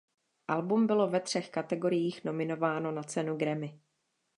Album bylo ve třech kategoriích nominováno na cenu Grammy.